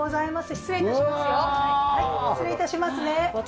失礼致しますね。